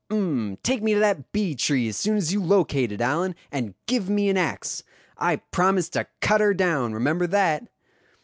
um! take me to that bee tree as soon as you locate it, Allan, and give me an axe. I promise to cut her down, remember that."